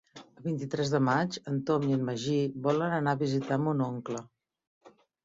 El vint-i-tres de maig en Tom i en Magí volen anar a visitar mon oncle.